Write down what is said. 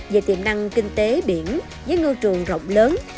về tiềm năng kinh tế biển với ngư trường rộng lớn